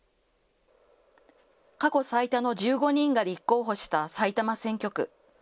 過去最多の１５人が立候補した埼玉選挙区。